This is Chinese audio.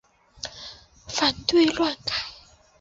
反对乱改！